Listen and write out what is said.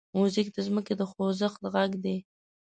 موزیک د ځمکې د خوځښت غږ دی.